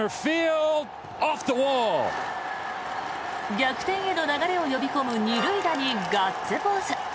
逆転への流れを呼び込む２塁打にガッツポーズ。